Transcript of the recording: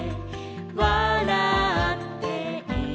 「わらっているよ」